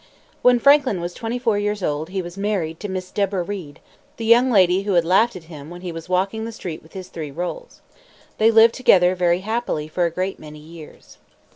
When Franklin was twenty four years old he was married to Miss Deborah Read, the young lady who had laughed at him when he was walking the street with his three rolls. They lived together very happily for a great many years.